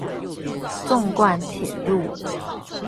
縱貫鐵路